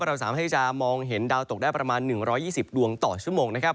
เราสามารถที่จะมองเห็นดาวตกได้ประมาณ๑๒๐ดวงต่อชั่วโมงนะครับ